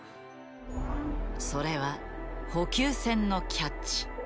それは補給船のキャッチ。